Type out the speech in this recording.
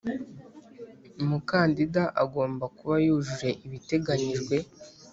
Mukandida agomba kuba yujuje ibiteganyijwe